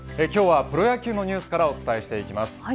今日はプロ野球のニュースからお伝えしていきます。